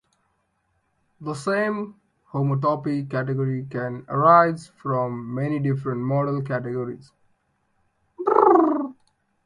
The same homotopy category can arise from many different model categories.